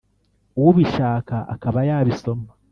ubishaka akaba yabisoma